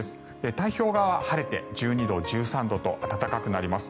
太平洋側は晴れて１２度、１３度と暖かくなります。